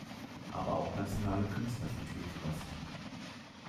Aber auch nationale Künstler sind hier zu Gast.